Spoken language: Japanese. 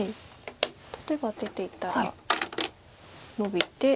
例えば出ていったらノビて。